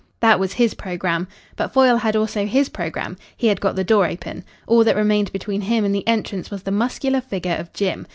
That was his programme. But Foyle had also his programme. He had got the door open. All that remained between him and the entrance was the muscular figure of Jim.